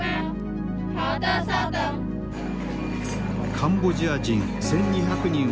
カンボジア人１，２００人を雇用。